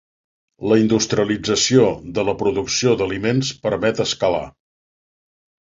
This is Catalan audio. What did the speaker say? La industrialització de la producció d'aliments permet escalar.